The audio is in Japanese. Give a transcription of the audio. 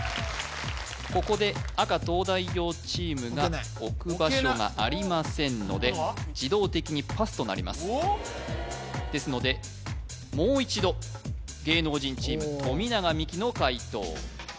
ここで赤東大王チームが置く場所がありませんので自動的にパスとなりますですのでもう一度芸能人チーム富永美樹の解答